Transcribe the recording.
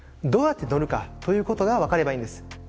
どうやって乗るかということが分かればいいんです。